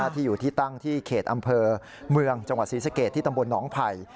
ที่อยู่ที่ตั้งที่เขตอำเภอเมืองจังหวัดศรีสเกตที่ตำบลหนองไผ่